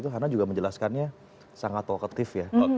hanna juga menjelaskannya sangat tokatif ya